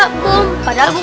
kok pada aku kan